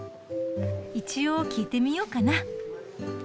一応聞いてみようかな。